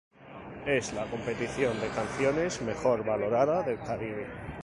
Es la competición de canciones mejor valorada del Caribe.